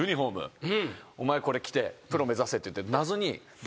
「お前これ着てプロ目指せ」って言って。